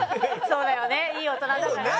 そうだよねいい大人だからね。